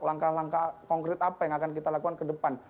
langkah langkah konkret apa yang akan kita lakukan ke depan